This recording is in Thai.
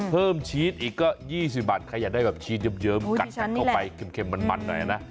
ชีสอีกก็๒๐บาทใครอยากได้แบบชีสเยิ้มกัดกันเข้าไปเค็มมันหน่อยนะ